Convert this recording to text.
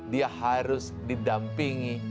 dia harus didampingi